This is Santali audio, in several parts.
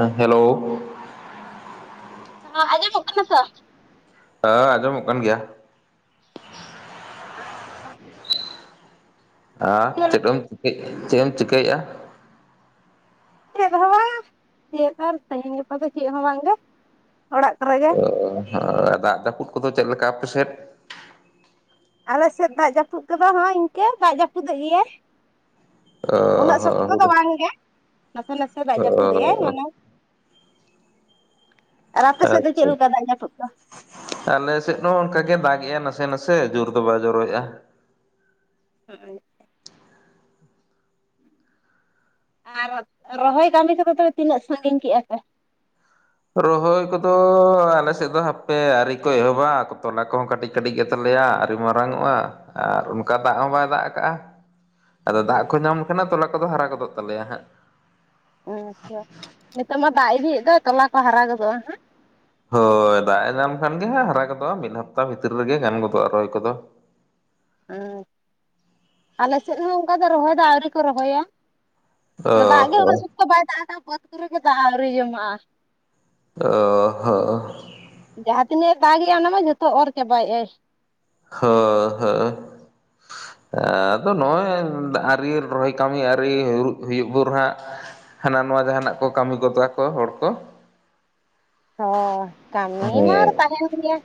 ᱮᱸ ᱦᱮᱞᱳ ᱦᱟᱸ ᱟ-ᱟᱸᱡᱚᱢᱚᱜ ᱠᱟᱱᱟᱥᱟ ᱦᱟ ᱟᱸᱡᱚᱢᱚᱜ ᱠᱟᱱ ᱜᱮᱭᱟ᱾ [unintelligible] ᱟ ᱪᱮᱫ ᱪᱮᱴᱮᱢ ᱪᱤᱠᱟᱹᱭ ᱮᱜ-ᱟ? ᱪᱮᱫ ᱮᱢ ᱪᱤᱠᱟᱹᱭᱮᱫᱼᱟ? ᱪᱮᱫ ᱦᱚᱸ ᱵᱟᱝ ᱪᱮᱫ ᱟᱨ ᱛᱮᱦᱤᱧ ᱜᱟᱯᱟ ᱫᱚ ᱪᱮᱫ ᱦᱚᱸ ᱵᱟᱝᱜᱮ ᱚᱲᱟᱜ ᱠᱚᱨᱮ ᱜᱮ᱾ ᱚ ᱦᱚᱸ ᱫᱟᱜ ᱡᱟᱹᱯᱩᱫ ᱠᱚᱫᱚ ᱪᱮᱫ ᱞᱮᱠᱟ ᱟᱯᱮᱥᱮᱫ? ᱟᱞᱮ ᱥᱮᱫ ᱫᱟᱜ ᱡᱟᱹᱯᱩᱫ ᱠᱚᱫᱚ ᱦᱚᱸ ᱤᱱᱠᱟᱹ ᱫᱟᱜ ᱡᱟᱹᱯᱩᱫᱮᱜ ᱜᱮᱭᱟᱭ᱾ ᱩᱱᱟᱹᱜ ᱥᱚᱠᱛᱚ ᱫᱚ ᱵᱟᱝ ᱜᱮ, ᱱᱟᱥᱮ ᱱᱟᱥᱮ ᱫᱟᱜ ᱡᱟᱹᱯᱩᱫᱮᱜᱼᱟᱭ ᱢᱟᱱᱮ ᱟᱨ ᱟᱯᱮ ᱥᱮᱫ ᱫᱚ ᱪᱮᱫ ᱟᱪᱪᱷᱟ᱾ ᱞᱮᱠᱟ ᱫᱟᱜ ᱡᱟᱹᱯᱩᱫ ᱫᱚ? ᱟᱞᱮ ᱥᱮᱫ ᱦᱚᱸ ᱚᱱᱠᱟᱜᱮ ᱫᱟᱜ ᱮᱜᱼᱟ ᱱᱟᱥᱮ ᱱᱟᱥᱮ ᱡᱳᱨ ᱫᱚ ᱵᱟᱭ ᱡᱚᱨᱚᱭᱮᱜᱼᱟ᱾ [unintelligible] ᱟᱨ ᱨᱚᱦᱚᱭ ᱠᱟᱹᱢᱤ ᱠᱚᱫᱚ ᱛᱚᱵᱮ ᱛᱤᱱᱟᱹᱜ ᱥᱟᱺᱜᱤᱧ ᱠᱮᱜᱼᱟ ᱯᱮ? ᱨᱚᱦᱚᱭ ᱠᱚᱫᱚ ᱟᱞᱮᱥᱮᱫ ᱫᱚ ᱦᱟᱯᱮ ᱟᱹᱨᱤ ᱠᱚ ᱮᱦᱚᱵᱟ ᱛᱚᱞᱟ ᱠᱚᱦᱚᱸ ᱠᱟᱹᱴᱤᱡ ᱠᱟᱹᱴᱤᱡ ᱜᱮᱛᱟᱞᱮᱭᱟ ᱟᱨᱨᱤ ᱢᱟᱨᱟᱝ ᱚᱜᱼᱟ ᱟᱨ ᱚᱱᱠᱟ ᱫᱟᱜ ᱦᱚᱸ ᱵᱟᱭ ᱫᱟᱜ ᱟᱠᱟᱜᱼᱟ᱾ ᱟᱫᱚ ᱫᱟᱜ ᱠᱚ ᱧᱟᱢ ᱞᱮᱠᱷᱟᱱ ᱛᱚᱞᱟ ᱠᱚᱫᱚ ᱦᱟᱨᱟ ᱜᱚᱫᱚᱜ ᱛᱟᱞᱮᱭᱟ ᱦᱟᱸᱜ᱾ ᱟᱪᱪᱷᱟ ᱱᱤᱛᱚᱜ ᱢᱟ ᱫᱟᱜ ᱤᱫᱤᱭᱮᱫ ᱫᱚ ᱛᱚᱞᱟ ᱠᱚ ᱦᱟᱨᱟ ᱜᱚᱫᱚᱜᱼᱟ ᱦᱟᱸᱜ᱾ ᱦᱳᱭ ᱫᱟᱜ ᱮ ᱧᱟᱢ ᱠᱷᱟᱱ ᱜᱮ ᱦᱟᱸᱜ ᱦᱟᱨᱟ ᱜᱚᱫᱚᱜᱼᱟ ᱢᱤᱫ ᱦᱟᱯᱛᱟ ᱵᱷᱤᱛᱤᱨ ᱨᱮᱜᱮ ᱜᱟᱱ ᱜᱚᱫᱚᱜᱼᱟ ᱨᱚᱦᱚᱭ ᱠᱚᱫᱚ᱾ [unintelligible] ᱟᱞᱮᱥᱮᱫ ᱦᱚᱸ ᱚᱱᱠᱟ ᱫᱚ ᱨᱚᱦᱚᱭ ᱫᱚ ᱟᱹᱣᱨᱤ ᱠᱚ ᱨᱚᱦᱚᱭᱟ ᱚ ᱫᱟᱜ ᱦᱚᱸ ᱜᱮ ᱵᱟᱭ ᱫᱟᱜ ᱮᱫᱟ ᱵᱟᱹᱫᱽ ᱠᱚᱨᱮ ᱜᱮ ᱫᱟᱜ ᱟᱹᱣᱨᱤ ᱡᱚᱢᱟᱜᱼᱟ᱾ ᱚ ᱚᱦᱚᱻ ᱡᱟᱦᱟᱸ ᱛᱤᱱᱟᱹᱜ ᱮ ᱫᱟᱜᱮᱟᱭ ᱚᱱᱟᱢᱟ ᱡᱚᱛᱚ ᱚᱨ ᱪᱟᱵᱟᱭ ᱮᱜ ᱟᱭ᱾ ᱦᱳᱭ ᱦᱳ ᱟᱫᱚ ᱱᱚᱜᱼᱚᱭ ᱟᱹᱨᱤ ᱨᱚᱦᱚᱭ ᱠᱟᱹᱢᱤ ᱟᱹᱨᱤ ᱦᱩᱭᱩᱜ ᱵᱚᱱ ᱦᱟᱸᱜ᱾ ᱦᱟᱱᱟ ᱱᱚᱣᱟ ᱡᱟᱦᱟᱱᱟᱜ ᱠᱚ ᱠᱟᱹᱢᱤ ᱜᱚᱫᱟ ᱠᱚ ᱦᱚᱲ ᱠᱚ᱾ ᱦᱚ ᱠᱟᱹᱢᱤ ᱦᱮᱸ ᱢᱟ ᱟᱨ ᱛᱟᱦᱮᱱ ᱜᱮᱭᱟ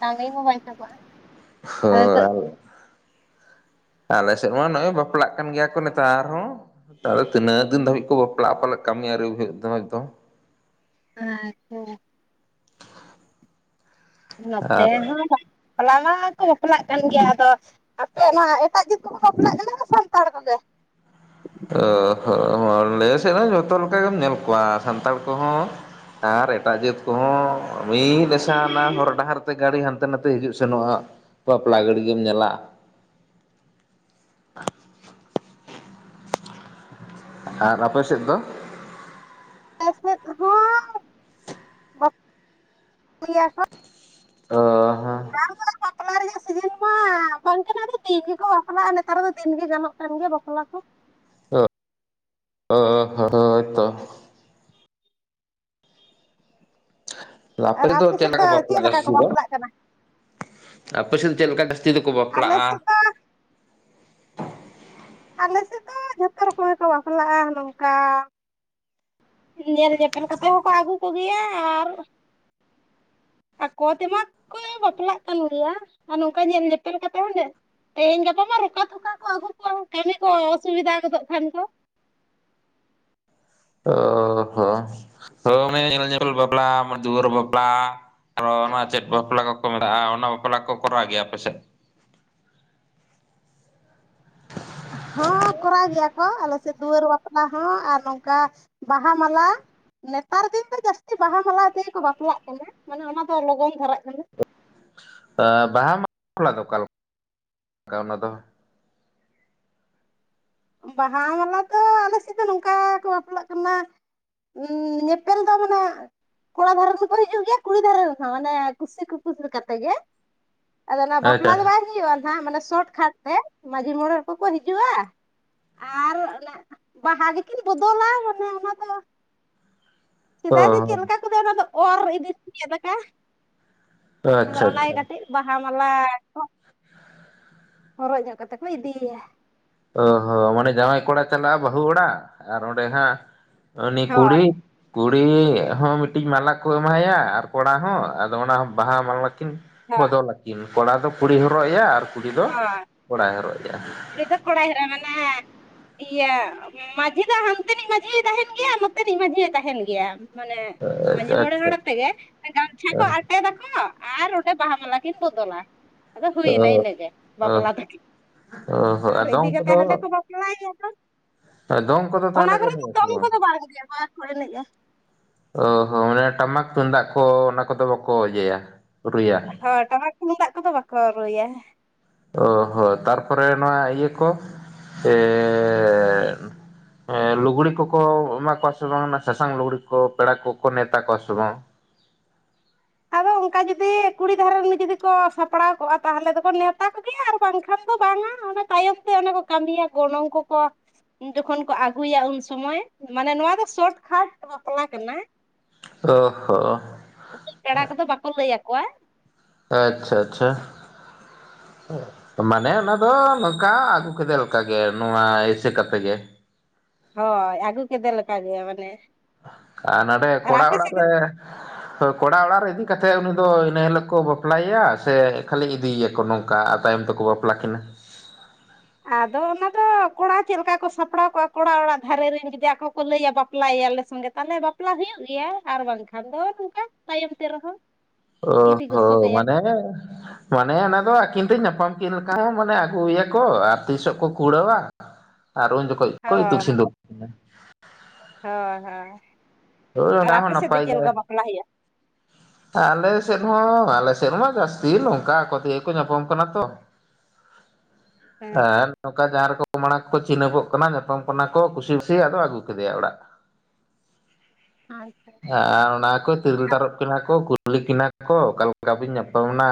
ᱠᱟᱹᱢᱤ ᱢᱟ ᱵᱟᱭ ᱪᱟᱵᱟᱜᱼᱟ᱾ ᱦᱳ ᱟᱫᱚ ᱱᱤᱛᱚᱜ [unintelligible] ᱟᱞᱮᱥᱮᱫ ᱢᱟ ᱱᱚᱜᱼᱚᱭ ᱵᱟᱯᱞᱟᱜ ᱠᱟᱱ ᱜᱮᱭᱟ ᱠᱚ ᱱᱮᱛᱟᱨ ᱦᱚᱸ᱾ ᱛᱟᱦᱚᱞᱮ ᱛᱤᱱᱟᱹᱜ ᱫᱤᱱ ᱫᱷᱟᱹᱵᱤᱡ ᱠᱚ ᱵᱟᱯᱞᱟᱜ-ᱟ ᱯᱟᱞᱮᱜ ᱠᱟᱹᱢᱤ ᱟᱹᱣᱨᱤ ᱦᱩᱭᱩᱜ ᱫᱷᱟᱹᱵᱤᱡ ᱫᱚ ᱾ ᱟᱪᱪᱷᱟ ᱾ ᱱᱚᱛᱮ ᱟᱨ ᱦᱚᱸ ᱵᱟᱯᱞᱟ ᱢᱟ ᱠᱚ ᱵᱟᱯᱞᱟᱜ ᱠᱟᱱ ᱜᱮᱭᱟ ᱟᱫᱚ ᱟᱯᱮ ᱚᱱᱟ ᱮᱴᱟᱜ ᱡᱟᱹᱛ ᱠᱚ ᱵᱟᱯᱞᱟᱜ ᱠᱟᱱᱟ ᱥᱟᱱᱛᱟᱲ ᱠᱚᱜᱮ? ᱚ ᱦᱚᱸ ᱟᱞᱮ ᱥᱮᱫ ᱦᱚᱸ ᱡᱚᱛᱚ ᱞᱮᱠᱟ ᱜᱮᱢ ᱧᱮᱞ ᱠᱚᱣᱟ ᱥᱟᱱᱛᱟᱲ ᱠᱚᱦᱚᱸ ᱟᱨ ᱮᱴᱟᱜ ᱡᱟᱹᱛ ᱠᱚᱦᱚᱸ ᱢᱤᱫ ᱟᱥᱟ ᱟᱱᱟ ᱦᱚᱨ ᱰᱟᱦᱟᱨ ᱛᱮ ᱜᱟᱹᱰᱤ ᱦᱟᱱᱛᱮ ᱱᱟᱛᱮ ᱦᱤᱡᱩᱜ ᱥᱮᱱᱚᱜᱼᱟ ᱾ ᱵᱟᱯᱞᱟ ᱜᱟᱹᱰᱤ ᱜᱮᱢ ᱧᱮᱞᱟ ᱾ ᱟᱨ ᱟᱯᱮ ᱥᱮᱫ ᱫᱚ? ᱟᱞᱮ ᱥᱮᱫ ᱦᱚᱸ [unintelligible] ᱚ ᱦᱚᱻ ᱱᱮᱛᱟᱨ ᱫᱚ ᱵᱟᱯᱞᱟ ᱨᱮᱭᱟᱜ ᱥᱤᱡᱤᱱ ᱢᱟ ᱵᱟᱝ ᱠᱟᱱᱟ ᱟᱫᱚ ᱫᱤᱱ ᱜᱮᱠᱚ ᱵᱟᱯᱞᱟᱜᱼᱟ ᱱᱮᱛᱟᱨ ᱫᱚ ᱫᱤᱱ ᱜᱮ ᱜᱟᱱᱚᱜ ᱠᱟᱱ ᱜᱮ ᱵᱟᱯᱞᱟ ᱠᱚ ᱾ [unintelligible] ᱦᱳᱭ ᱛᱚ ᱾ ᱟᱨ ᱞᱟᱯᱮ ᱫᱚ ᱟᱯᱮ ᱪᱮᱜ ᱥᱮᱫ ᱞᱮᱠᱟ ᱠᱚ ᱪᱮᱫ ᱵᱟᱯᱞᱟᱜ ᱞᱮᱠᱟ ᱠᱚ ᱡᱟᱹᱥᱛᱤ ᱫᱚ? ᱵᱟᱯᱞᱟᱜ ᱠᱟᱱᱟ ᱟᱯᱮ ᱥᱮᱫ ᱫᱚ ᱪᱮᱫ ᱞᱮᱠᱟ ᱡᱟᱹᱥᱛᱤ ᱫᱚᱠᱚ ᱟᱞᱮ ᱵᱟᱯᱞᱟᱜᱼᱟ? ᱥᱮᱫ ᱫᱚ ᱟᱞᱮ ᱥᱮᱫ ᱫᱚ ᱡᱷᱚᱛᱚ ᱨᱚᱠᱚᱢ ᱜᱮᱠᱚ ᱵᱟᱯᱞᱟᱜᱼᱟ, ᱱᱚᱝᱠᱟ ᱧᱮᱞ ᱧᱮᱯᱮᱞ ᱠᱟᱛᱮᱜ ᱦᱚᱸᱠᱚ ᱟᱹᱜᱩ ᱠᱚᱜᱮᱭᱟ ᱟᱨ ᱟᱠᱚ ᱛᱮᱢᱟ ᱠᱚ ᱵᱟᱯᱞᱟᱜ ᱠᱟᱱ ᱜᱮᱭᱟ ᱟᱨ ᱱᱚᱝᱠᱟ ᱧᱮᱞ ᱧᱮᱯᱮᱞ ᱠᱟᱛᱮ ᱦᱚᱸ ᱛᱮᱦᱮᱧ ᱜᱟᱯᱟ ᱢᱟ ᱨᱚᱠᱟ ᱛᱷᱚᱠᱟ ᱠᱚ ᱟᱹᱜᱩ ᱠᱚᱣᱟ ᱠᱟᱹᱢᱤ ᱠᱚ ᱚᱥᱩᱵᱤᱫᱷᱟ ᱜᱚᱫᱚᱜ ᱠᱷᱟᱱ ᱠᱚ ᱾ ᱦᱳ ᱦᱳ, ᱦᱚ [unintelligible] ᱵᱟᱯᱞᱟ ᱢᱟᱱᱮ ᱫᱩᱣᱟᱹᱨ ᱵᱟᱯᱞᱟ ᱟᱨᱚ ᱚᱱᱟ ᱪᱮᱫ ᱵᱟᱯᱞᱟ ᱠᱚᱠᱚ ᱢᱮᱛᱟᱜᱼᱟ ᱚᱱᱟ ᱵᱟᱯᱞᱟ ᱠᱚ ᱠᱚᱨᱟᱣ ᱜᱮᱭᱟ ᱟᱯᱮ ᱥᱮᱫ? ᱦᱚᱸ ᱠᱚᱨᱟᱣ ᱜᱮᱭᱟ ᱠᱚ ᱟᱞᱮ ᱥᱮᱫ ᱫᱩᱣᱟᱹᱨ ᱵᱟᱯᱞᱟ ᱦᱚᱸ ᱟᱨ ᱱᱚᱝᱠᱟ ᱵᱟᱦᱟ ᱢᱟᱞᱟ ᱱᱮᱛᱟᱨ ᱫᱤᱱ ᱫᱚ ᱡᱟᱹᱥᱛᱤ ᱵᱟᱦᱟ ᱢᱟᱞᱟ ᱛᱮᱜᱮ ᱠᱚ ᱵᱟᱯᱞᱟᱜ ᱠᱟᱱᱟ ᱢᱟᱱᱮ ᱚᱱᱟ ᱫᱚ ᱞᱚᱜᱚᱱ ᱫᱷᱟᱨᱟᱜ ᱠᱟᱱᱟ ᱾ ᱵᱟᱦᱟ ᱢᱟᱞᱟ ᱫᱚ ᱚᱠᱟ ᱞᱮᱠᱟ ᱚᱱᱟ ᱫᱚ? ᱵᱟᱦᱟ ᱢᱟᱞᱟ ᱫᱚ ᱟᱞᱮ ᱥᱮᱫ ᱫᱚ ᱱᱚᱝᱠᱟ ᱠᱚ ᱵᱟᱯᱞᱟᱜ ᱠᱟᱱᱟ ᱩᱸ ᱧᱮᱯᱮᱞ ᱫᱚ ᱢᱟᱱᱮ ᱠᱚᱲᱟ ᱫᱷᱟᱨᱮ ᱠᱚᱠᱚ ᱦᱤᱡᱩᱜ ᱜᱮᱭᱟ ᱠᱩᱲᱤ ᱫᱷᱟᱨᱮ ᱨᱮᱱ ᱦᱚᱸ ᱢᱟᱱᱮ ᱠᱩᱥᱤ ᱠᱩᱯᱩᱥᱤ ᱠᱟᱛᱮ ᱜᱮ ᱟᱫᱚ ᱚᱱᱟ ᱵᱟᱯᱞᱟ ᱫᱚ ᱟᱪᱪᱷᱟ ᱵᱟᱭ ᱦᱩᱭᱩᱜᱼᱟ ᱱᱟᱦᱜ ᱢᱟᱱᱮ ᱥᱚᱴ ᱠᱷᱟᱴ ᱛᱮ ᱢᱹᱡᱷᱤ ᱢᱚᱬᱮ ᱠᱚᱠᱚ ᱦᱤᱡᱩᱜᱼᱟ ᱟᱨ ᱚᱱᱟ ᱵᱟᱦᱟ ᱜᱮᱠᱤᱱ ᱵᱚᱫᱚᱞᱟ ᱢᱟᱱᱮ ᱚᱱᱟ ᱫᱚ ᱥᱮᱫᱟᱭ ᱫᱚ ᱪᱮᱫ ᱚ ᱞᱮᱠᱟ ᱠᱮᱫᱟ ᱚᱱᱟ ᱫᱚ ᱚᱨ ᱤᱫᱤ [unintelligible] ᱞᱮᱠᱟ ᱾ ᱟᱫᱚ ᱟᱪᱪᱷᱟ ᱚᱱᱟ ᱜᱮ ᱟᱪᱪᱷᱟ ᱠᱟᱹᱴᱤᱡ ᱵᱟᱦᱟ ᱢᱟᱞᱟ ᱠᱚ ᱦᱚᱨᱚᱜ ᱧᱚᱜ ᱠᱟᱛᱮ ᱠᱚ ᱤᱫᱤᱭᱮᱭᱟ ᱾ ᱚ ᱦᱚᱸ ᱢᱟᱱᱮ ᱡᱟᱶᱟᱭ ᱠᱚᱲᱟ ᱪᱟᱞᱟᱜᱼᱟ ᱵᱟᱹᱦᱩ ᱚᱲᱟᱜ ᱟᱨ ᱚᱸᱰᱮ ᱦᱟᱸᱜ ᱩᱱᱤ ᱦᱳᱭ ᱠᱩᱲᱤ ᱠᱩᱲᱤ ᱦᱚᱸ ᱢᱤᱫᱴᱤᱡ ᱢᱟᱞᱟ ᱠᱚ ᱮᱢᱟᱭᱟ ᱟᱨ ᱠᱚᱲᱟ ᱦᱚᱸ ᱟᱫᱚ ᱚᱱᱟ ᱵᱟᱦᱟ ᱢᱟᱞᱟ ᱠᱤᱱ ᱦᱳᱭ ᱵᱚᱫᱚᱞ ᱟᱹᱠᱤᱱ ᱠᱚᱲᱟ ᱫᱚ ᱠᱩᱲᱤᱭ ᱦᱚᱨᱚᱜ ᱮᱭᱟ ᱟᱨ ᱠᱩᱲᱤ ᱫᱚ ᱠᱚᱲᱟᱭ ᱦᱚᱨᱚᱜ ᱮᱭᱟ ᱾ ᱠᱩᱲᱤ ᱫᱚ ᱠᱚᱲᱟ ᱦᱚᱨᱚ ᱢᱟᱱᱮ ᱤᱭᱟᱹ ᱢᱟᱹᱡᱷᱤ ᱫᱚ ᱦᱟᱱᱛᱮ ᱱᱤᱡ ᱢᱟᱹᱡᱷᱤᱭ ᱛᱟᱦᱮᱱ ᱜᱮᱭᱟ ᱱᱚᱛᱮ ᱱᱤᱡ ᱢᱟᱹᱡᱷ ᱦᱚᱸᱭ ᱛᱟᱦᱮᱱ ᱜᱮᱭᱟ ᱾ ᱢᱟᱱᱮ ᱢᱟᱹᱡᱷᱤ ᱢᱚᱬᱮ ᱟᱪᱪᱷᱟ ᱦᱚᱲ ᱟᱛᱮ ᱜᱮ ᱜᱟᱢᱪᱷᱟ ᱠᱚ ᱟᱴᱮᱫ ᱫᱟᱠᱚ ᱟᱨ ᱚᱸᱰᱮ ᱵᱟᱦᱟ ᱢᱟᱞᱟ ᱠᱤᱱ ᱵᱚᱫᱚᱞᱟ ᱟᱫᱚ ᱦᱩᱭ ᱱᱟ ᱤᱱᱟᱹᱜᱮ ᱵᱟᱯᱞᱟ ᱛᱟᱠᱤᱱ ᱾ ᱚ ᱾ ᱟᱨ ᱤᱫᱤ ᱠᱟᱛᱮᱜ ᱦᱟᱸᱰᱮ ᱠᱚ ᱵᱟᱯᱞᱟᱭ ᱭᱟ ᱟᱫᱚ ᱫᱚᱝ ᱠᱚᱫᱚ ᱾ ᱚᱱᱟ ᱛᱟᱦᱚᱞᱮ ᱠᱚ ᱠᱚᱨᱮ ᱫᱚ ᱮᱱᱮᱡ ᱟᱥᱮ ᱫᱚᱢ ᱠᱚᱫᱚ ᱵᱟᱝ ᱜᱮᱭᱟ ᱵᱟ ᱠᱚ ᱮᱱᱮᱡᱼᱟ ᱾ ᱚ ᱦᱚᱸ ᱢᱟᱱᱮ ᱴᱟᱢᱟᱠ ᱛᱩᱢᱫᱟᱜ ᱠᱚ ᱚᱱᱟ ᱠᱚᱫᱚ ᱵᱟᱠᱚ ᱤᱭᱟᱹᱭᱟ ᱨᱩᱭᱟ? ᱦᱳᱭ ᱴᱟᱢᱟᱠ ᱛᱩᱢᱫᱟᱜ ᱠᱚᱫᱚ ᱵᱟᱠᱚ ᱨᱩᱭᱟ ᱾ ᱚ ᱦᱚᱸ ᱛᱟᱨᱯᱚᱨᱮ ᱱᱚᱣᱟ ᱤᱭᱟᱹ ᱠᱚ ᱮᱸᱻ ᱞᱩᱜᱽᱲᱤ ᱠᱚᱠᱚ ᱮᱢᱟ ᱠᱚᱣᱟ ᱥᱮ ᱵᱟᱝ ᱚᱱᱟ ᱥᱟᱥᱟᱝ ᱞᱩᱜᱽᱲᱤ ᱠᱚ ᱯᱮᱲᱟ ᱠᱚᱠᱚ ᱱᱮᱶᱛᱟ ᱠᱚᱣᱟ ᱥᱮ ᱵᱟᱝ? ᱟᱫᱚ ᱚᱱᱠᱟ ᱡᱩᱫᱤ ᱠᱩᱲᱤ ᱫᱷᱟᱨᱮ ᱨᱮᱱ ᱡᱩᱫᱤ ᱠᱚ ᱥᱟᱯᱲᱟᱣ ᱠᱚᱜᱼᱟ ᱛᱟᱦᱚᱞᱮ ᱫᱚᱠᱚ ᱱᱮᱣᱛᱟ ᱠᱚᱜᱮᱭᱟ ᱟᱨ ᱵᱟᱝᱠᱷᱟᱱ ᱫᱚ ᱵᱟᱝᱼᱟ ᱚᱱᱟ ᱛᱟᱭᱚᱢ ᱛᱮ ᱚᱱᱮ ᱠᱚ ᱠᱟᱹᱢᱤᱭᱟ ᱜᱚᱱᱚᱝ ᱠᱚᱠᱚ ᱡᱚᱠᱷᱚᱱ ᱠᱚ ᱟᱹᱜᱩᱭᱟ ᱩᱱ ᱥᱩᱢᱚᱭ ᱢᱟᱱᱮ ᱱᱚᱣᱟ ᱫᱚ ᱥᱚᱨᱚᱴᱠᱟᱴ ᱵᱟᱯᱞᱟ ᱠᱟᱱᱟ ᱚ ᱦᱚ ᱯᱮᱲᱟ ᱠᱚᱫᱚ ᱵᱟᱠᱚ ᱞᱟᱹᱭ ᱟᱠᱚᱣᱟ ᱟᱪᱪᱷᱟ ᱟᱪᱪᱷᱟ ᱢᱟᱱᱮ ᱚᱱᱟ ᱫᱚ ᱱᱚᱝᱠᱟ ᱟᱹᱜᱩ ᱠᱮᱫᱮ ᱞᱮᱠᱟᱜ ᱜᱮ ᱱᱚᱣᱟ ᱮᱥᱮ ᱠᱟᱛᱮ ᱜᱮ ᱦᱳᱭ ᱟᱹᱜᱩ ᱠᱮᱫᱮ ᱞᱮᱠᱟ ᱜᱮ ᱢᱟᱱᱮ ᱟᱨ ᱱᱟᱸᱰᱮ ᱟᱨ ᱠᱚᱲᱟ ᱟᱯᱮ ᱚᱲᱟᱜ ᱥᱮᱫ ᱨᱮ ᱦᱳᱭ ᱠᱚᱲᱟ ᱚᱲᱟᱜ ᱨᱮ ᱤᱫᱤ ᱠᱟᱛᱮᱫ ᱩᱱᱤ ᱫᱚ ᱤᱱᱟᱹ ᱦᱤᱞᱳᱜ ᱠᱚ ᱵᱟᱯᱞᱟᱭᱮᱭᱟ ᱥᱮ ᱠᱷᱟᱹᱞᱤ ᱤᱫᱤᱭᱮᱭᱟᱠᱚ ᱱᱚᱝᱠᱟ ᱟᱨ ᱛᱟᱭᱚᱢ ᱛᱮᱠᱚ ᱵᱟᱯᱞᱟ ᱵᱟᱯᱞᱟ ᱠᱤᱱᱟ ᱟᱫᱚ ᱚᱱᱟ ᱫᱚ ᱠᱚᱲᱟ ᱪᱮᱫ ᱞᱮᱠᱟ ᱠᱚ ᱥᱟᱯᱲᱟᱣ ᱠᱚᱜᱼᱟ ᱠᱚᱲᱟ ᱚᱲᱟᱜ ᱫᱷᱟᱨᱮ ᱨᱮᱱ ᱡᱩᱫᱤ ᱟᱠᱚ ᱠᱚ ᱞᱟᱹᱭᱟ ᱵᱟᱯᱞᱟᱭᱮᱭᱟ ᱞᱮ ᱥᱚᱸᱜᱮ ᱛᱮ ᱛᱟᱦᱚᱞᱮ ᱵᱟᱯᱞᱟ ᱦᱩᱭᱩᱜ ᱜᱮᱭᱟ ᱟᱨ ᱵᱟᱝᱠᱷᱟᱱ ᱫᱚ ᱱᱚᱝᱠᱟ ᱛᱟᱭᱚᱢ ᱛᱮ ᱨᱮᱦᱚᱸ ᱚ ᱤᱫᱤ ᱜᱚᱥᱚ ᱦᱚᱸ ᱠᱟᱭᱟ ᱢᱟᱱᱮ ᱠᱚ ᱢᱟᱱᱮ ᱚᱱᱟ ᱫᱚ ᱟᱹᱠᱤᱱ ᱛᱮ ᱧᱟᱯᱟᱢ ᱠᱤᱱ ᱞᱮᱠᱟ ᱦᱚᱸ ᱢᱟᱱᱮ ᱟᱹᱜᱩᱮᱭᱟᱠᱚ ᱟᱨ ᱛᱤᱥ ᱦᱚᱸᱠᱚ ᱠᱩᱲᱟᱹᱣᱟ ᱟᱨ ᱩᱱ ᱡᱚᱠᱷᱚᱡ ᱠᱚ ᱤᱛᱩᱡ ᱥᱤᱸᱫᱩᱨ ᱦᱳᱭ ᱦᱳᱭ ᱦᱳᱭ ᱦᱳᱭ ᱟᱨ ᱚᱱᱟ ᱟᱯᱮ ᱦᱚᱸ ᱥᱮᱫ ᱫᱚ ᱪᱮᱫ ᱞᱮᱠᱟ ᱵᱟᱯᱞᱟ ᱦᱩᱭᱩᱜᱼᱟ ᱟᱞᱮᱥᱮᱫ ᱦᱚᱸ ᱟᱞᱮᱥᱮᱫ ᱢᱟ ᱡᱟᱹᱥᱛᱤ ᱱᱚᱝᱠᱟ ᱟᱠᱚ ᱛᱮᱜᱮ ᱠᱚ ᱧᱟᱯᱟᱢ ᱠᱟᱱᱟ ᱛᱚ ᱦᱮᱸ ᱱᱚᱝᱠᱟ ᱡᱟᱦᱟᱸ ᱨᱮᱠᱚ ᱢᱟᱲᱟᱝ ᱠᱚᱠᱚ ᱪᱤᱱᱦᱟᱹᱯᱚᱜ ᱠᱟᱱᱟ ᱧᱟᱯᱟᱢ ᱠᱟᱱᱟ ᱠᱚ ᱠᱩᱥᱤ ᱠᱩᱥᱤ ᱟᱫᱚ ᱟᱹᱜᱩ ᱠᱮᱫᱮᱭᱟ ᱚᱲᱟᱜ [inaudible] ᱟᱪᱪᱷᱟ ᱟᱨ ᱚᱱᱟ ᱠᱚ ᱛᱤᱨᱟᱞ ᱛᱟᱨᱚᱵ ᱠᱤᱱᱟᱹ ᱠᱚ ᱠᱩᱞᱤ ᱠᱤᱱᱟ ᱠᱚ ᱚᱠᱟ ᱞᱮᱠᱟ ᱵᱤᱱ ᱧᱟᱯᱟᱢ ᱮᱱᱟ?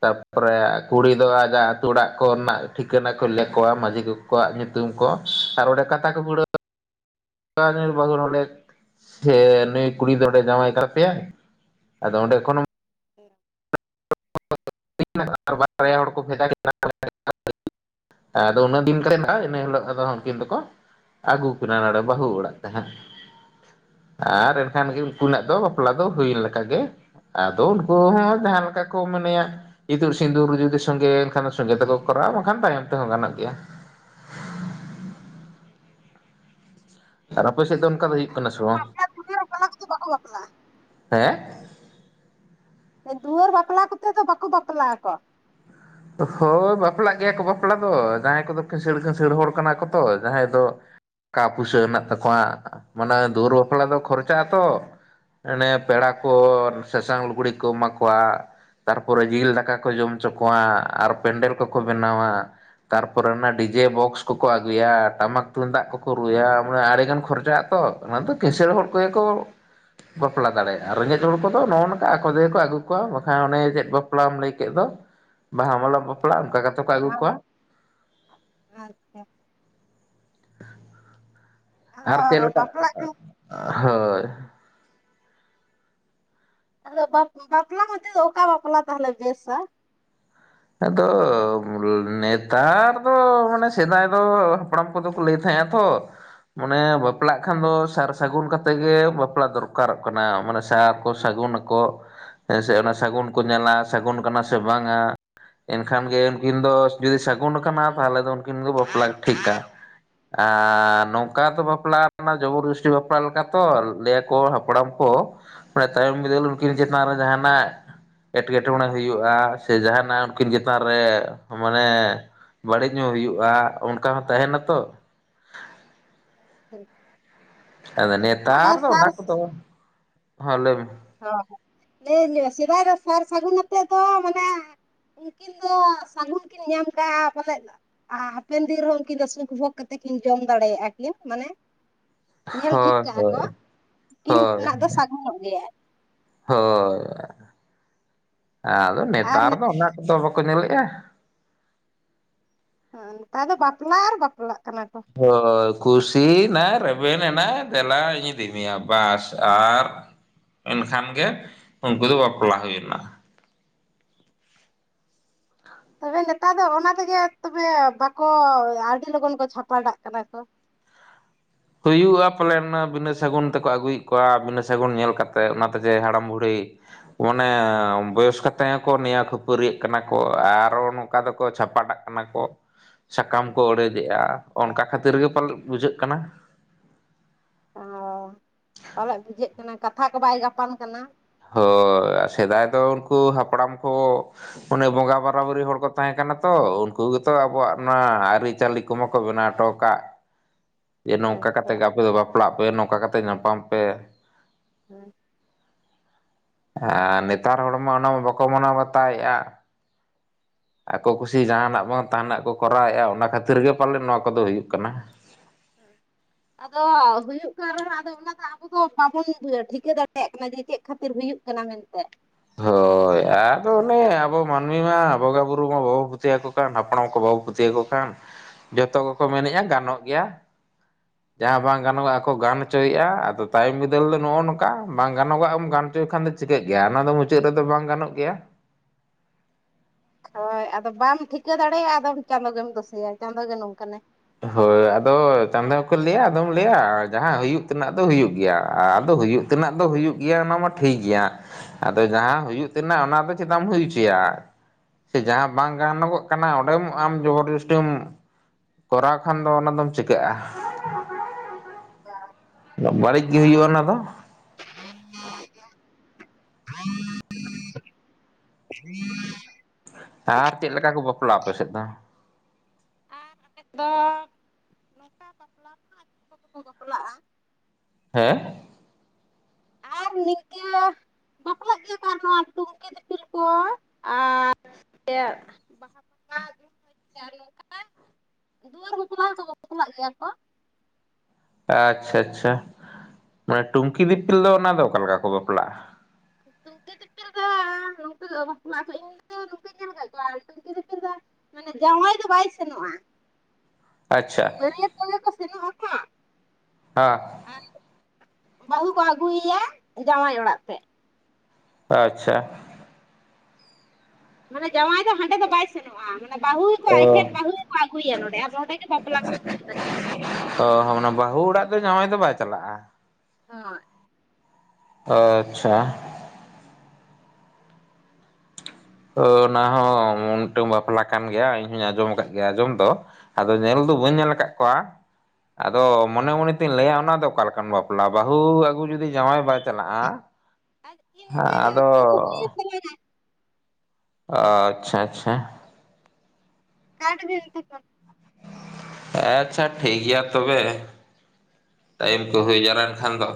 ᱛᱟᱯᱚᱨᱮ ᱠᱩᱲᱤ ᱫᱚ ᱟᱡᱟᱜ ᱟᱹᱛᱩ ᱚᱲᱟᱜ ᱠᱚ ᱨᱮᱱᱟᱜ ᱴᱷᱤᱠᱟᱹᱱᱟ ᱠᱚ ᱞᱮ ᱠᱚᱣᱟ ᱢᱟᱺᱡᱷᱤ ᱠᱚ ᱠᱚᱣᱟᱜ ᱧᱩᱛᱩᱢ ᱠᱚ ᱟᱨ ᱚᱸᱰᱮ ᱠᱟᱛᱟ ᱠᱚ ᱠᱩᱲᱟᱹᱣ [unintelligible] ᱥᱮ ᱱᱩᱭ ᱠᱩᱲᱤ ᱫᱚ ᱱᱚᱰᱮ ᱡᱟᱢᱟᱭ ᱛᱟᱯᱮᱭᱟᱭ! ᱟᱫᱚ ᱚᱸᱰᱮ ᱠᱷᱚᱱᱚ ᱦᱮ ᱾ [inaudible] ᱵᱟᱨᱭᱟ ᱦᱚᱲ ᱠᱚ ᱵᱷᱮᱡᱟ ᱠᱤᱱᱟᱹ ᱾ ᱟᱫᱚ ᱩᱱᱟᱹᱜ ᱫᱤᱱ ᱠᱟᱛᱮ ᱱᱟᱦᱟᱜ ᱤᱱᱟᱹ ᱦᱤᱞᱳᱜ ᱟᱫᱚ ᱩᱱᱠᱤᱱ ᱫᱚᱠᱚ ᱟᱹᱜᱩ ᱠᱤᱱᱟ ᱱᱚᱲᱮ ᱵᱟᱹᱦᱩ ᱚᱲᱟᱜ ᱛᱮ ᱦᱟᱸᱜ ᱟᱨ ᱮᱱᱠᱷᱟᱱ ᱜᱮ ᱩᱱᱠᱤᱱᱟᱜ ᱫᱚ ᱵᱟᱯᱞᱟ ᱫᱚ ᱦᱩᱭᱮᱱ ᱞᱮᱠᱟ ᱜᱮ, ᱟᱫᱚ ᱩᱱᱠᱩ ᱦᱚᱸ ᱡᱟᱦᱟᱸ ᱞᱮᱠᱟ ᱠᱚ ᱢᱚᱱᱮᱭᱟ ᱤᱛᱩᱫ ᱥᱤᱸᱫᱩᱨ ᱡᱩᱫᱤ ᱥᱚᱸᱜᱮ ᱮᱱᱠᱷᱟᱱ ᱥᱚᱸᱜᱮ ᱛᱮᱠᱚ ᱠᱚᱨᱟᱣᱟ ᱵᱟᱝᱠᱷᱟᱱ ᱛᱟᱭᱚᱢ ᱛᱮᱦᱚᱸ ᱜᱟᱱᱚᱜ ᱜᱮᱭᱟ ᱾ ᱟᱨ ᱟᱯᱮ ᱥᱮᱫ ᱫᱚ ᱚᱱᱠᱟ ᱫᱚ ᱦᱩᱭᱩᱜ ᱟᱨ ᱠᱟᱱᱟ ᱥᱮ ᱱᱚᱝᱠᱟ ᱵᱟᱝ? ᱵᱟᱯᱞᱟ ᱫᱩᱣᱟᱹᱨ ᱵᱟᱯᱞᱟ ᱠᱚᱫᱚ ᱵᱟᱠᱚ ᱵᱟᱯᱞᱟᱜᱼᱟ ᱦᱮᱸ! ᱫᱩᱦᱟᱹᱨ ᱵᱟᱯᱞᱟ ᱠᱚᱛᱮ ᱫᱚ ᱵᱟᱠᱚ ᱵᱟᱯᱞᱟ ᱟᱠᱚ ᱾ ᱦᱳᱭ, ᱵᱟᱯᱞᱟᱜ ᱜᱮᱭᱟ ᱠᱚ ᱵᱟᱯᱞᱟ ᱫᱚ ᱡᱟᱦᱟᱸᱭ ᱠᱚᱫᱚ ᱠᱤᱸᱥᱟᱹᱲ ᱠᱤᱸᱥᱟᱹᱲ ᱦᱚᱲ ᱠᱟᱱᱟ ᱠᱚ ᱛᱚ ᱡᱟᱦᱟᱸᱭ ᱫᱚ ᱠᱟ ᱯᱩᱭᱥᱟᱹ ᱦᱮᱱᱟᱜ ᱛᱟᱠᱚᱣᱟ, ᱢᱟᱱᱮ ᱫᱩᱣᱟᱹᱨ ᱵᱟᱯᱞᱟ ᱫᱚ ᱠᱷᱚᱨᱪᱟᱜ ᱟᱛᱚ ᱾ ᱮᱱᱮ ᱯᱮᱲᱟ ᱠᱚ ᱥᱟᱥᱟᱝ ᱞᱩᱜᱽᱲᱤᱜ ᱠᱚ ᱮᱢᱟ ᱠᱚᱣᱟ ᱾ ᱛᱟᱨᱯᱚᱨᱮ ᱡᱤᱞ ᱫᱟᱠᱟ ᱠᱚ ᱡᱚᱢ ᱪᱚ ᱠᱚᱣᱟ ᱟᱨ ᱯᱮᱱᱰᱮᱞ ᱠᱚᱠᱚ ᱵᱮᱱᱟᱣᱟ ᱾ ᱛᱟᱨᱯᱚᱨᱮ ᱚᱱᱟ ᱰᱤᱡᱮ ᱵᱚᱠᱥ ᱠᱚᱠᱚ ᱟᱹᱜᱩᱭᱟ, ᱴᱟᱢᱟᱠ ᱛᱩᱢᱫᱟᱜ ᱠᱚᱠᱚ ᱨᱩᱭᱟ ᱢᱟᱱᱮ ᱟᱹᱨᱤᱜᱟᱱ ᱠᱷᱚᱨᱪᱟᱜᱼᱟ ᱛᱚ ᱾ ᱚᱱᱟ ᱫᱚ ᱠᱤᱥᱟᱹᱲ ᱦᱚᱲ ᱠᱚᱜᱮ ᱠᱚ ᱵᱟᱯᱞᱟ ᱫᱟᱲᱮᱭᱟᱜᱼᱟ, ᱨᱮᱸᱜᱮᱡ ᱦᱚᱲ ᱠᱚᱫᱚ ᱱᱚᱜᱼᱚ ᱱᱚᱝᱠᱟ ᱟᱠᱚ ᱛᱮᱠᱚ ᱟᱹᱜᱩ ᱠᱚᱣᱟ ᱾ ᱵᱟᱠᱷᱟᱱ ᱚᱱᱮ ᱪᱮᱫ ᱵᱟᱯᱞᱟᱢ ᱞᱟᱹᱭ ᱠᱮᱫ ᱫᱚ, ᱵᱟᱦᱟ ᱢᱟᱞᱟᱜ ᱵᱟᱯᱞᱟ ᱚᱝᱠᱟ ᱠᱟᱛᱮ ᱠᱚ ᱟᱹᱜᱩ ᱠᱚᱣᱟ ᱾ ᱟᱪᱪᱷᱟ ᱾ ᱟᱨ ᱪᱮᱫ ᱟᱫᱚ ᱞᱮᱠᱟ ᱵᱟᱯᱞᱟᱜ ᱠᱷᱟᱱ [inaudible] ᱦᱳᱭ ᱾ ᱟᱫᱚ ᱵᱟᱯ-ᱵᱟᱯᱞᱟ ᱵᱚᱞᱛᱮ ᱫᱚ ᱚᱠᱟ ᱵᱟᱯᱞᱟ ᱛᱟᱦᱚᱞᱮ ᱵᱮᱥᱟ? ᱟᱫᱚᱻ ᱱᱮᱛᱟᱨ ᱫᱚ ᱢᱟᱱᱮ ᱥᱮᱫᱟᱭ ᱫᱚ ᱦᱟᱯᱲᱟᱢ ᱠᱚ ᱫᱚᱠᱚ ᱞᱟᱹᱭ ᱛᱟᱦᱮᱸᱜᱼᱟ ᱛᱚ ᱢᱟᱱᱮ ᱵᱟᱯᱞᱟᱜ ᱠᱷᱟᱱ ᱫᱚ ᱥᱟᱨ ᱥᱟᱹᱜᱩᱱ ᱠᱟᱛᱮ ᱜᱮ ᱵᱟᱯᱞᱟ ᱫᱚᱨᱠᱟᱨᱚᱜ ᱠᱟᱱᱟ, ᱢᱟᱱᱮ ᱥᱟᱨ ᱠᱚ ᱥᱟᱹᱜᱩᱱᱟ ᱠᱚ, ᱦᱮᱸᱥᱮ ᱚᱱᱟ ᱥᱟᱹᱜᱩᱱ ᱠᱚ ᱧᱮᱞᱟ ᱥᱟᱹᱜᱩᱱ ᱠᱟᱱᱟ ᱥᱮ ᱵᱟᱝᱼᱟ? ᱮᱱᱠᱷᱟᱱ ᱜᱮ ᱩᱱᱠᱤᱱ ᱫᱚ ᱡᱩᱫᱤ ᱥᱟᱹᱜᱩᱱ ᱟᱠᱟᱱᱟ ᱛᱟᱦᱚᱞᱮ ᱫᱚ ᱩᱱᱠᱤᱱ ᱫᱚ ᱵᱟᱯᱞᱟ ᱴᱷᱤᱠᱟ ᱾ ᱟᱻ ᱱᱚᱝᱠᱟ ᱫᱚ ᱵᱟᱯᱞᱟ ᱠᱟᱱᱟ ᱡᱚᱵᱚᱨ ᱡᱚᱥᱛᱤ ᱵᱟᱯᱞᱟ ᱞᱮᱠᱟ ᱛᱚ ᱞᱟᱹᱭ ᱟᱠᱚ ᱦᱟᱯᱲᱟᱢ ᱠᱚ, ᱢᱟᱱᱮ ᱛᱟᱭᱚᱢ ᱵᱤᱫᱟᱹᱞ ᱩᱱᱠᱤᱱ ᱪᱮᱛᱟᱱ ᱨᱮ ᱡᱟᱦᱟᱱᱟᱜ ᱮᱴᱠᱮᱴᱚᱬᱮ ᱦᱩᱭᱩᱜᱼᱟ ᱥᱮ ᱡᱟᱦᱱᱟᱜ ᱱᱟᱜ ᱩᱱᱠᱤᱱ ᱪᱮᱛᱟᱱ ᱨᱮ ᱢᱟᱱᱮ ᱵᱟᱹᱲᱤᱡ ᱧᱚᱜ ᱦᱩᱭᱩᱜᱼᱟ ᱚᱱᱠᱟ ᱦᱚᱸ ᱛᱟᱦᱮᱱᱟ ᱛᱚ ᱾ ᱦᱮᱸ ᱾ ᱟᱫᱚ ᱱᱮᱛᱟᱨ ᱫᱚ ᱚᱱᱟ ᱠᱚ ᱠᱚᱫᱚ ᱦᱮᱸ ᱞᱟᱹᱭ ᱢᱮ ᱾ ᱦᱚᱸ ᱦᱚᱸ, ᱞᱮᱧ ᱥᱮᱫᱟᱭ ᱫᱚ ᱥᱟᱨ ᱥᱟᱹᱜᱩᱱ ᱟᱛᱮᱜ ᱫᱚ ᱢᱟᱱᱮ ᱩᱝᱠᱤᱱ ᱫᱚ ᱥᱟᱹᱜᱩᱱ ᱠᱤᱱ ᱧᱟᱢ ᱠᱟᱜᱼᱟ ᱯᱟᱞᱮᱫ ᱫᱚ ᱾ ᱟ ᱦᱟᱯᱮᱱ ᱫᱤᱱ ᱨᱮᱦᱚᱸ ᱩᱱᱠᱤᱱ ᱫᱚ ᱥᱩᱠᱷ ᱵᱷᱳᱜ ᱠᱟᱛᱮ ᱠᱤᱱ ᱡᱚᱢ ᱫᱟᱲᱮᱭᱟᱜᱼᱟ ᱠᱤᱱ, ᱢᱟᱱᱮ ᱧᱮᱞ ᱴᱷᱤᱠ ᱦᱳᱭ ᱠᱟᱜᱼᱟ ᱦᱳᱭ ᱠᱚ ᱠᱤᱱ ᱦᱳᱭ ᱱᱟᱜ ᱫᱚ ᱥᱟᱜᱩᱱᱚᱜ ᱜᱮᱭᱟ ᱾ ᱦᱳᱭ, ᱟᱫᱚ ᱟᱨ ᱱᱮᱛᱟᱨ ᱫᱚ ᱚᱱᱟ ᱠᱚᱫᱚ ᱵᱟᱠᱚ ᱧᱮᱞᱮᱜᱼᱟ ᱾ ᱦᱮᱸ, ᱱᱮᱛᱟᱨ ᱫᱚ ᱵᱟᱯᱞᱟ ᱟᱨ ᱵᱟᱯᱞᱟᱜ ᱠᱟᱱᱟ ᱠᱚ ᱾ ᱦᱳᱭ, ᱠᱩᱥᱤᱭᱱᱟᱭ ᱨᱮᱵᱮᱱᱮᱱᱟᱭ ᱫᱮᱞᱟᱧ ᱤᱫᱤ ᱢᱮᱭᱟ ᱵᱟᱥ ᱟᱨ ᱮᱱᱠᱷᱟᱱ ᱜᱮ ᱩᱝᱠᱩ ᱫᱚ ᱵᱟᱯᱞᱟ ᱦᱩᱭᱱᱟ ᱾ ᱛᱚᱵᱮ ᱱᱮᱛᱟᱨ ᱫᱚ ᱚᱱᱟ ᱛᱮᱜᱮ ᱛᱚᱵᱮ ᱵᱟᱠᱚ ᱟᱹᱰᱤ ᱞᱚᱜᱚᱱ ᱠᱚ ᱪᱷᱟᱯᱟᱰᱟᱜ ᱠᱟᱱᱟ ᱠᱚ ᱾ ᱦᱩᱭᱩᱜᱼᱟ ᱯᱟᱞᱮᱱ ᱚᱱᱟ ᱵᱤᱱᱟᱹ ᱥᱟᱹᱜᱩᱱ ᱛᱮᱠᱚ ᱟᱹᱜᱩᱭᱮᱜ ᱠᱚᱣᱟ, ᱵᱤᱱᱟᱹ ᱥᱟᱹᱜᱩᱱ ᱧᱮᱞ ᱠᱟᱛᱮᱫ ᱚᱱᱟ ᱛᱮᱡᱮ ᱦᱟᱲᱟᱢ ᱵᱩᱲᱦᱤ ᱚᱱᱮ ᱵᱚᱭᱚᱥ ᱠᱟᱛᱮᱫ ᱦᱚᱸᱠᱚ ᱱᱮᱭᱟ ᱠᱷᱟᱹᱯᱟᱹᱨᱤᱭᱟᱜ ᱠᱟᱱᱟ ᱠᱚ ᱟᱨᱚ ᱦᱚᱸ ᱱᱚᱠᱟ ᱫᱚᱠᱚ ᱪᱷᱟᱯᱟᱴᱟᱜ ᱠᱟᱱᱟ ᱠᱚ ᱥᱟᱠᱟᱢ ᱠᱚ ᱚᱲᱮᱡᱮᱜ ᱟ ᱚᱱᱠᱟ ᱠᱷᱟᱹᱛᱤᱨ ᱜᱮ ᱯᱟᱞᱮᱱ ᱵᱩᱡᱷᱟᱹᱜ ᱠᱟᱱᱟ, ᱚᱻ ᱯᱟᱞᱮᱜ ᱵᱩᱡᱷᱟᱹᱜ ᱠᱟᱱᱟ ᱠᱟᱛᱷᱟ ᱠᱚ ᱵᱟᱭ ᱜᱟᱯᱟᱱ ᱠᱟᱱᱟ ᱾ ᱦᱳᱭ ᱥᱮᱫᱟᱭ ᱫᱚ ᱩᱱᱠᱩ ᱦᱟᱯᱲᱟᱢ ᱠᱚ ᱚᱱᱮ ᱵᱚᱸᱜᱟ ᱵᱟᱨᱟ ᱵᱟᱨᱤ ᱦᱚᱲ ᱠᱚ ᱛᱟᱦᱮᱸ ᱠᱟᱱᱟ ᱛᱚ ᱩᱱᱠᱩ ᱜᱮᱛᱚ ᱟᱵᱚᱣᱟᱜ ᱱᱚᱣᱟ ᱟᱹᱨᱤᱪᱟᱹᱞᱤ ᱠᱚᱢᱟ ᱠᱚ ᱵᱮᱱᱟᱣ ᱦᱚᱴᱚ ᱠᱟᱜ, ᱡᱮ ᱱᱚᱝᱠᱟ ᱟᱪᱪᱷᱟ ᱠᱟᱛᱮᱜ ᱜᱮ ᱟᱯᱮ ᱫᱚ ᱵᱟᱯᱞᱟᱜ ᱯᱮ ᱱᱚᱝᱠᱟ ᱠᱟᱛᱮ ᱧᱟᱯᱟᱢ ᱯᱮ ᱾ [unintelligible] ᱟᱨ ᱱᱮᱛᱟᱨ ᱦᱚᱲ ᱢᱟ ᱚᱱᱟ ᱢᱟ ᱵᱟᱠᱚ ᱢᱟᱱᱟᱣ ᱵᱟᱛᱟᱣᱮᱜ-ᱟ ᱾ ᱟᱠᱚ ᱠᱩᱥᱤ ᱡᱟᱦᱟ ᱱᱟᱜ ᱵᱟᱝ ᱛᱟᱦᱟ ᱱᱟᱜ ᱠᱚ ᱠᱚᱨᱟᱣ ᱮᱫᱟ ᱚᱱᱟ ᱠᱷᱟᱹᱛᱤᱨ ᱜᱮ ᱯᱟᱞᱮ ᱱᱚᱣᱟ ᱠᱚᱫᱚ ᱦᱩᱭᱩᱜ ᱠᱟᱱᱟ ᱾ [unintelligible] ᱟᱫᱚ ᱦᱩᱭᱩᱜ ᱠᱟᱱ ᱨᱮᱦᱚᱸ ᱟᱫᱚ ᱚᱱᱟ ᱫᱚ ᱟᱵᱚ ᱫᱚ ᱵᱟᱵᱚᱱ ᱴᱷᱤᱠᱟᱹ ᱫᱟᱲᱮᱭᱟᱜ ᱠᱟᱱᱟ ᱡᱮ ᱪᱮᱫ ᱪᱮᱫ ᱠᱷᱟᱹᱛᱤᱨ ᱦᱩᱭᱩᱜ ᱠᱟᱱᱟ ᱢᱮᱱᱛᱮ ᱾ ᱦᱳᱭ ᱾ ᱟᱫᱚ ᱚᱱᱮ ᱟᱵᱚ ᱢᱟᱹᱱᱢᱤ ᱢᱟ ᱵᱚᱸᱜᱟ ᱵᱩᱨᱩ ᱢᱟ ᱵᱟᱵᱚ ᱯᱟᱹᱛᱤᱭᱟ. ᱣ ᱠᱚ ᱠᱟᱱ ᱦᱟᱯᱲᱟᱢ ᱠᱚ ᱵᱟᱵᱚ ᱯᱟᱹᱛᱤᱭᱟᱹᱣ ᱠᱚ ᱠᱟᱱ, ᱡᱷᱚᱛᱚ ᱠᱚᱠᱚ ᱢᱮᱱᱮᱜ-ᱟ ᱜᱟᱱᱚᱜ ᱜᱮᱭᱟ ᱾ ᱡᱟᱦᱟᱸ ᱵᱟᱝ ᱜᱟᱱᱚᱜᱟᱜ ᱠᱚ ᱜᱟᱱ ᱦᱚᱪᱚᱭᱮᱜ-ᱟ ᱟᱫᱚ ᱛᱟᱭᱚᱢ ᱵᱤᱫᱟᱹᱞ ᱫᱚ ᱱᱚᱜ ᱚᱭ ᱱᱚᱝᱠᱟ ᱵᱟᱝ ᱜᱟᱱᱚᱜᱟ ᱮᱢ ᱜᱟᱱ ᱦᱚᱪᱚᱭ ᱠᱷᱟᱱ ᱫᱚ ᱪᱤᱠᱟᱹᱜ ᱜᱮᱭᱟ ᱚᱱᱟ ᱫᱚ ᱢᱩᱪᱟᱹᱫ ᱨᱮᱫᱚ ᱵᱟᱝ ᱜᱟᱱᱚᱜ ᱜᱮᱭᱟ ᱾ ᱦᱳᱭ ᱟᱫᱚ ᱵᱟᱢ ᱴᱷᱤᱠᱟᱹ ᱫᱟᱲᱮᱭᱟᱜ-ᱟ ᱟᱫᱚ ᱪᱟᱸᱫᱳ ᱜᱮᱢ ᱫᱳᱥᱮᱭᱟ ᱪᱟᱸᱫᱳ ᱜᱮ ᱱᱚᱝᱠᱟ ᱱᱟᱭ ᱾ ᱦᱳᱭ ᱟᱫᱚ ᱪᱟᱸᱫᱳ ᱦᱚᱠᱚ ᱞᱟᱹᱭᱟ ᱟᱫᱚᱢ ᱞᱟᱹᱭᱟ ᱡᱟᱸᱦᱟᱸ ᱦᱩᱭᱩᱜ ᱛᱮᱱᱟᱜ ᱫᱚ ᱦᱩᱭᱩᱜ ᱜᱮᱭᱟ ᱟᱫᱚ ᱦᱩᱭᱩᱜ ᱛᱮᱱᱟᱜ ᱫᱚ ᱦᱩᱭᱩᱜ ᱜᱮᱭᱟ ᱚᱱᱟ ᱢᱟ ᱴᱷᱤᱠ ᱜᱮᱭᱟ, ᱟᱫᱚ ᱡᱟᱸᱦᱟᱸ ᱦᱩᱭᱩᱜ ᱛᱮᱱᱟᱜ ᱚᱱᱟ ᱫᱚ ᱪᱮᱫᱟᱜ ᱮᱢ ᱦᱩᱭᱪᱚᱭᱟ ᱾ ᱥᱮ ᱡᱟᱦᱟᱸ ᱵᱟᱝ ᱜᱟᱱᱚᱜᱚᱜ ᱠᱟᱱᱟ ᱚᱸᱰᱮᱢ ᱟᱢ ᱡᱚᱵᱚᱨᱡᱥᱴᱳᱢ ᱠᱚᱨᱟᱣ ᱠᱷᱟᱱ ᱫᱚ ᱚᱱᱟ ᱫᱚᱢ ᱪᱤᱠᱟᱹᱜ-ᱟ ᱾ [unintelligible] ᱵᱟᱹᱲᱤᱡ ᱜᱮ ᱦᱩᱭᱩᱜ-ᱟ ᱚᱱᱟ ᱫᱚ ᱾ [unintelligible] ᱟᱨ ᱪᱮᱫ ᱞᱮᱠᱟ ᱠᱚ ᱵᱟᱯᱞᱟ-ᱟ ᱟᱯᱮ ᱥᱮᱫ ᱫᱚ? ᱟᱨ ᱟᱞᱮᱫᱚ ᱱᱚᱝᱠᱟ ᱵᱟᱯᱞᱟ ᱢᱟ ᱟᱹᱰᱤ ᱨᱚᱠᱚᱢ ᱠᱚ ᱵᱟᱯᱞᱟ-ᱟ ᱾ ᱦᱮᱸ ᱾ ᱟᱨ ᱱᱤᱝᱠᱟᱹ ᱵᱟᱯᱞᱟᱜ ᱜᱮᱭᱟ ᱠᱚ ᱱᱚᱣᱟ ᱴᱩᱝᱠᱤ ᱫᱤᱯᱤᱞ ᱠᱚ ᱟᱨ ᱤᱭᱟᱹ [unintelligible] ᱫᱩᱣᱟᱹᱨ ᱵᱟᱯᱞᱟ ᱦᱚᱸ ᱠᱚ ᱵᱟᱯᱞᱟᱜ ᱜᱮᱭᱟ ᱠᱚ ᱟᱪᱪᱷᱟ ᱟᱪᱪᱷᱟ, ᱢᱟᱱᱮ ᱴᱩᱢᱠᱤ ᱫᱤᱯᱤᱞ ᱫᱚ ᱚᱱᱟ ᱫᱚ ᱚᱠᱟ ᱞᱮᱠᱟ ᱠᱚ ᱵᱟᱯᱞᱟᱜᱼᱟ ᱾ ᱴᱩᱝᱠᱤ ᱫᱤᱯᱤᱧ ᱫᱚ ᱱᱚᱝᱠᱟ ᱵᱟᱯᱞᱟ [unintelligible] [inaudible] ᱴᱩᱝᱠᱤ ᱫᱤᱯᱤᱞ ᱫᱚ ᱢᱟᱱᱮ ᱡᱟᱶᱟᱭ ᱫᱚ ᱵᱟᱭ ᱥᱮᱱᱚᱜᱼᱟ ᱾ ᱟᱪᱪᱷᱟ ᱾ ᱵᱟᱹᱨᱭᱟᱹᱛ ᱠᱚᱜᱮ ᱠᱚ ᱥᱮᱱ ᱟᱠᱚ ᱦᱮᱸ ᱟᱨ ᱵᱟᱹᱦᱩ ᱠᱚ ᱟᱹᱜᱩᱭᱟ ᱡᱟᱶᱟᱭ ᱚᱲᱟᱜ ᱛᱮ ᱾ ᱟᱪᱪᱷᱟ ᱾ ᱢᱟᱱᱮ ᱡᱟᱶᱟᱭ ᱫᱚ ᱦᱟᱸᱰᱮ ᱫᱚ ᱵᱟᱭ ᱥᱮᱱᱚᱜᱼᱟ ᱾ ᱵᱟᱹᱦᱩ ᱠᱚ ᱚ ᱟᱡᱴᱷᱮᱱ ᱵᱟᱹᱦᱩ ᱠᱚ ᱟᱹᱜᱩᱭᱟ ᱱᱚᱰᱮ ᱟᱨ ᱱᱚᱰᱮ ᱜᱮ ᱵᱟᱯᱞᱟ ᱠᱚᱫᱚ ᱦᱩᱭᱩᱜ ᱛᱟᱹᱠᱤᱱᱟ ᱾ ᱚ ᱢᱟᱱᱮ ᱵᱟᱹᱦᱩ ᱚᱲᱟᱜ ᱫᱚ ᱡᱟᱶᱟᱭ ᱫᱚ ᱵᱟᱭ ᱪᱟᱞᱟᱜᱼᱟ ᱾ ᱦᱳᱭ ᱟᱪᱪᱷᱟ ᱚᱱᱟ ᱦᱚᱸ ᱢᱩᱱᱴᱟᱝ ᱵᱟᱯᱞᱟ ᱠᱟᱱ ᱜᱮᱭᱟ ᱤᱧ ᱦᱚᱸᱧ ᱟᱸᱡᱚᱢ ᱟᱠᱟᱫ ᱜᱮᱭᱟ ᱟᱸᱡᱚᱢ ᱫᱚ, ᱟᱫᱚ ᱧᱮᱞ ᱫᱚ ᱵᱟᱹᱧ ᱧᱮᱞ ᱟᱠᱟᱫ ᱠᱚᱣᱟ᱾ ᱟᱫᱚ ᱢᱚᱱᱮ ᱢᱚᱱᱮ ᱛᱤᱧ ᱞᱟᱹᱭᱟ ᱚᱱᱟ ᱫᱚ ᱚᱠᱟ ᱞᱮᱠᱟᱱ ᱵᱟᱯᱞᱟ ᱵᱟᱹᱦᱩ ᱟᱹᱜᱩ ᱡᱩᱫᱤ ᱡᱟᱶᱟᱭ ᱵᱟᱭ ᱪᱟᱞᱟᱜᱼᱟ᱾ ᱟᱨ ᱦᱮᱸ ᱤᱱᱠᱟᱹ ᱜᱮ ᱟᱫᱚ ᱚᱠᱛᱚ ᱠᱚ ᱦᱩᱭᱮᱱ ᱛᱟᱞᱟᱝᱟ ᱟᱪᱪᱷᱟ ᱟᱪᱪᱷᱟ ᱠᱟᱴ [unintelligible] ᱟᱪᱪᱷᱟ ᱴᱷᱤᱠ ᱜᱮᱭᱟ ᱛᱚᱵᱮ ᱴᱟᱭᱤᱢ ᱠᱚ ᱦᱩᱭ ᱡᱟᱣᱨᱟ ᱮᱱ ᱠᱷᱟᱱ ᱫᱚ᱾